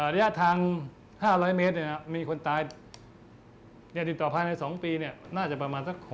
ระยะทาง๕๐๐เมตรมีคนตายติดต่อภายใน๒ปีน่าจะประมาณสัก